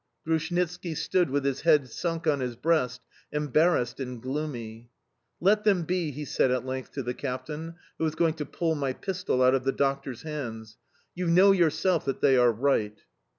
Grushnitski stood with his head sunk on his breast, embarrassed and gloomy. "Let them be!" he said at length to the captain, who was going to pull my pistol out of the doctor's hands. "You know yourself that they are right."